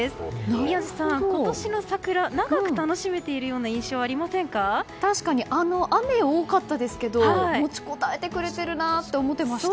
宮司さん、今年の桜長く楽しめているような印象が確かに雨、多かったですけど持ちこたえてくれているなって思っていました。